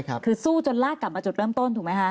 คือสู้จนลากกลับมาจุดเริ่มต้นถูกไหมคะ